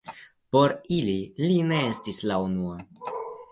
Por ili, li ne estis la unua.